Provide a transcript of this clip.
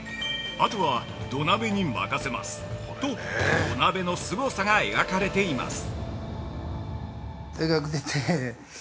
「あとは土鍋に任せます」と土鍋のすごさが描かれています。